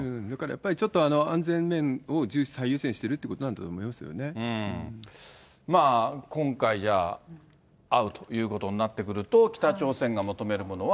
だからやっぱり、ちょっと安全面を重視、最優先してるってことだ今回、じゃあ、会うということになってくると、北朝鮮が求めるものは。